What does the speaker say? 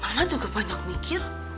mama juga banyak mikir